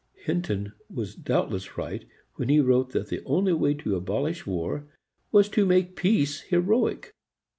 Hinton was doubtless right when he wrote that the only way to abolish war was to make peace heroic.